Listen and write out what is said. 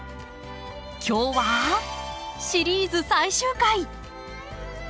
今日はシリーズ最終回。